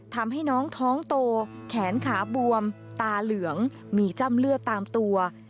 ทำให้น้องท้องโตแขนขาบวมตาเหลืองมีจ้ำเลือดตามตัว